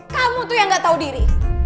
kamu tuh yang gak tahu diri